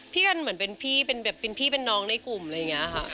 พี่กันเหมือนเป็นพี่เป็นน้องในกลุ่มอะไรอย่างนี้ค่ะ